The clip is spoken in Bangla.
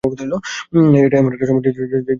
এটা এমন একটা সম্মান যার কোন তুলনা হয় না।